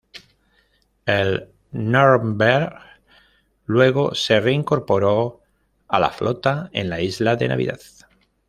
El "Nürnberg" luego se reincorporó a la flota en la Isla de Navidad.